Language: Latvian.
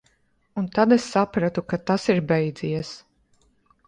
Un tad es sapratu, ka tas ir beidzies.